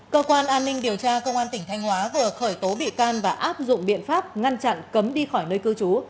cơ quan an ninh điều tra công an tỉnh thanh hóa vừa khởi tố bị can và áp dụng biện pháp ngăn chặn cấm đi khỏi nơi cư trú